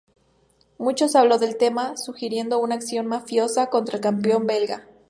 Mucho se habló del tema, sugiriendo una acción mafiosa contra el campeón belga.